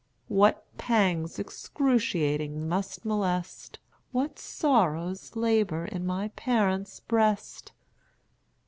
What pangs excruciating must molest, What sorrows labor in my parent's breast!